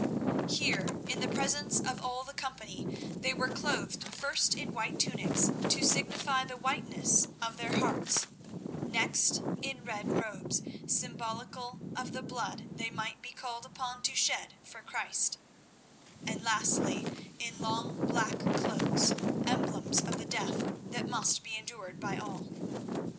Here, in the presence of all the company, they were clothed first in white tunics, to signify the whiteness of their hearts; next in red robes, symbolical of the blood they might be called upon to shed for Christ; and lastly, in long black cloaks, emblems of the death that must be endured by all.